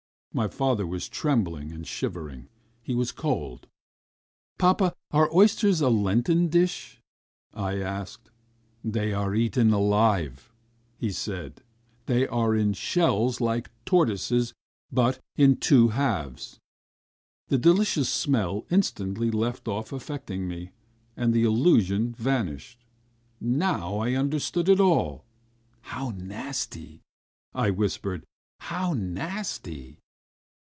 My father was trembling and shivering. He was cold ... "Papa, are oysters a Lenten dish?" I asked. "They are eaten alive ..." said my father. "They are in shells like tortoises, but ... in two halves." The delicious smell instantly left off affecting me, and the illusion vanished. ... Now I understood it all! "How nasty," I whispered, "how nasty!"